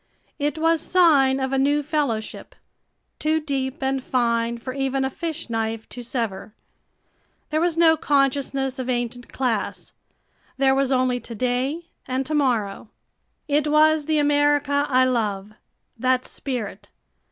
It was sign of a new fellowship, too deep and fine for even a fish knife to sever. There was no consciousness of ancient class. There was only to day and to morrow. It was the America I love that spirit.